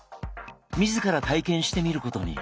自ら体験してみることに。